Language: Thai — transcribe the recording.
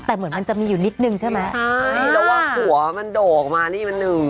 แต่เหมือนมันจะมีอยู่นิดนึงใช่ไหมใช่แล้วว่าหัวมันโด่งออกมานี่มันหนึ่ง